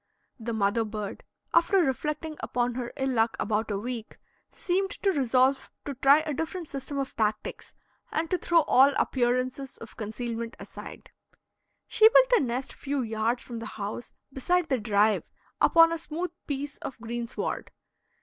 The mother bird, after reflecting upon her ill luck about a week, seemed to resolve to try a different system of tactics and to throw all appearances of concealment aside. She built a nest few yards from the house beside the drive, upon a smooth piece of greensward.